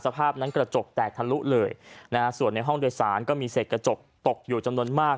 ภาพนั้นกระจกแตกทะลุเลยนะฮะส่วนในห้องโดยสารก็มีเศษกระจกตกอยู่จำนวนมาก